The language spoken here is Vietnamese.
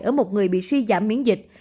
ở một người bị suy giảm miễn dịch